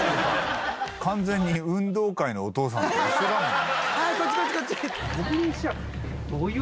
完全に運動会のお父さんと一緒だもん。